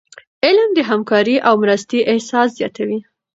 علم د همکاری او مرستي احساس زیاتوي.